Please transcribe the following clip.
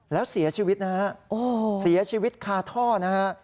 แล้วเสียชีวิตนะฮะเสียชีวิตคาท่อนะฮะ